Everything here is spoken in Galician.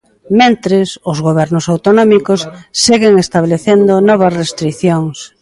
Mentres, os gobernos autonómicos seguen establecendo novas restricións.